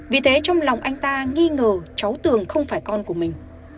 vì thế trong lòng anh ta nghi ngờ cháu tường không phải con của mình